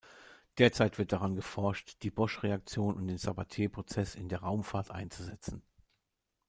Derzeit wird daran geforscht, die Bosch-Reaktion und den Sabatier-Prozess in der Raumfahrt einzusetzen.